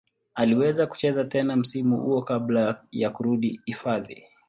Aliweza kucheza tena msimu huo kabla ya kurudi hifadhi.